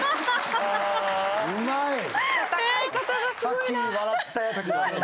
さっき笑ったやつ。